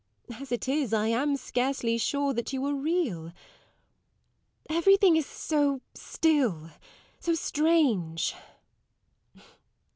As it is, I am scarcely sure that you are real. Everything is so still, so strange.